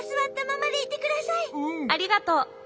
ありがとう。